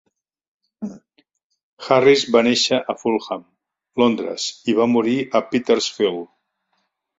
Harris va néixer a Fulham, Londres i va morir a Petersfield.